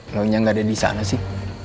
lo nyanggah ada di sana sih